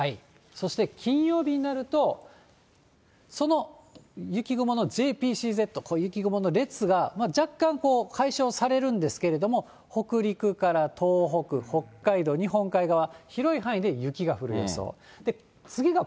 そして金曜日になると、その雪雲のＪＰＣＺ、雪雲の列が、若干解消されるんですけれども、北陸から東北、北海道、日本海側、広い範囲で雪が降る予想。